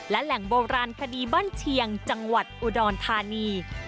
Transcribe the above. และแหล่งโบราณคดีบ้านเชียงจังหวัดอุดรธานี